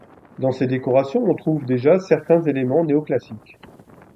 Dans ses décorations, on trouve déjà certains éléments néoclassiques.